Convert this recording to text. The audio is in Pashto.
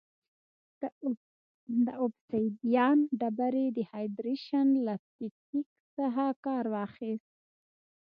د اوبسیدیان ډبرې د هایدرېشن له تکتیک څخه کار واخیست.